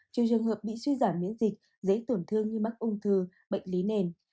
trừ trường hợp bị suy giảm miễn dịch dễ tổn thương như mắc ung thư bệnh lý nền